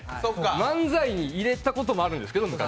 漫才に入れたこともあるんですけど。